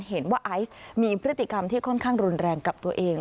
ไอซ์มีพฤติกรรมที่ค่อนข้างรุนแรงกับตัวเอง